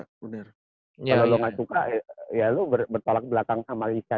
kalau lo gak suka ya lo bertolak belakang sama lika